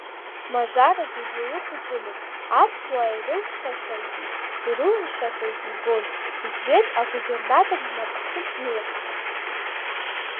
Мажарагьы дуаҩы хәыҷымызт, аԥсуаа ирылшашази ирылымшашази ибон, иӡбеит агубернатор инапахьы днеирц.